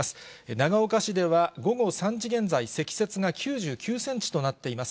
長岡市では午後３時現在、積雪が９９センチとなっています。